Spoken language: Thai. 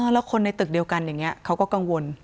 แล้วคนในตึกเดียวกันอย่างนี้เขาก็กังวล